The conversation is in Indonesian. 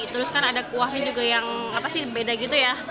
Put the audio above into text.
terus kan ada kuahnya juga yang beda gitu ya